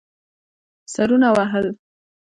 سرونه وهل.